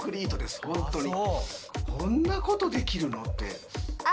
こんなことできるのって。